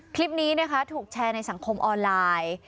คลิปนี้นะคะถูกแชร์ในสังคมออนไลน์